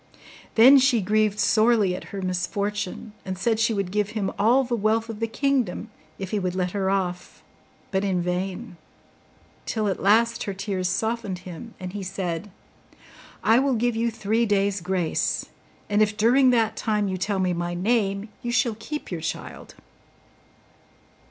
Then she grieved sorely at her misfortune, and said she would give him all the wealth of the kingdom if he would let her off, but in vain; till at last her tears softened him, and he said, 'I will give you three days' grace, and if during that time you tell me my name, you shall keep your child.